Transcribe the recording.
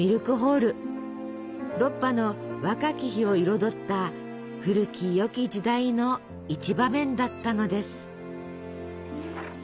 ロッパの若き日を彩った古きよき時代の一場面だったのです。